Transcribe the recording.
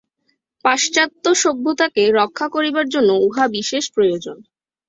পাশ্চাত্য সভ্যতাকে রক্ষা করিবার জন্য উহা বিশেষ প্রয়োজন।